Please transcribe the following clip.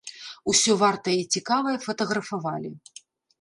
Усё вартае і цікавае фатаграфавалі.